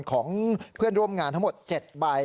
ของเพื่อนร่วมงานทั้งหมด๗ใบ